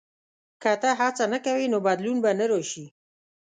• که ته هڅه نه کوې، نو بدلون به نه راشي.